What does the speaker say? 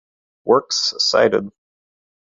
Works cited